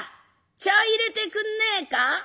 茶いれてくんねえか？」。